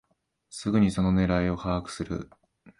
すぐにその狙いを把握する